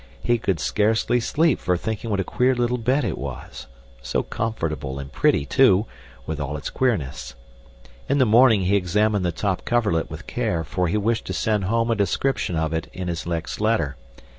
He could scarcely sleep for thinking what a queer little bed it was, so comfortable and pretty, too, with all its queerness. In the morning he examined the top coverlet with care, for he wished to send home a description of it in his next letter.